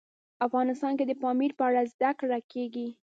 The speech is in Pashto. افغانستان کې د پامیر په اړه زده کړه کېږي.